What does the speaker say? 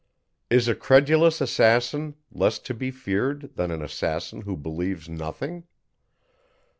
Is a credulous assassin less to be feared, than an assassin who believes nothing?